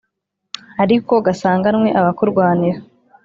Ariko gasanganwe abakurwanira